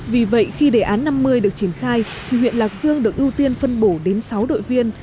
vì vậy khi đề án năm mươi được triển khai thì huyện lạc dương được ưu tiên phân bổ đến sáu đội viên